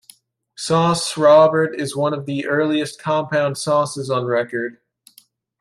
Sauce Robert is one of the earliest compound sauces on record.